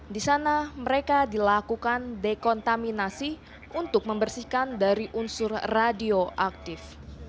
di sana mereka dilakukan dekontaminasi untuk membersihkan dari unsur radioaktif